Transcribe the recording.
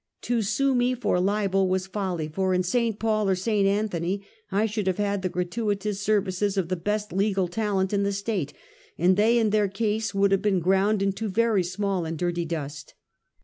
To sue me for libel was folly, for in St. Paul or St. An thony I should have had the gratuitous services of the best legal talent in the state, and they and their case would have been ground into very small and dirty dust.